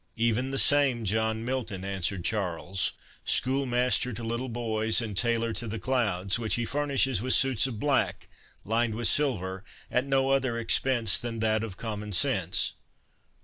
"Even the same John Milton," answered Charles; "schoolmaster to little boys, and tailor to the clouds, which he furnishes with suits of black, lined with silver, at no other expense than that of common sense."